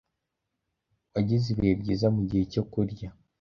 Wagize ibihe byiza mugihe cyo kurya?